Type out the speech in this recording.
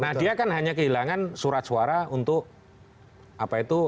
nah dia kan hanya kehilangan surat suara untuk apa itu